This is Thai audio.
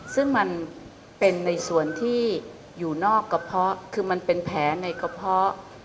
ซึ่งมันเป็นในส่วนที่อยู่นอกกระเพาะคือมันเป็นแผลในกระเพาะ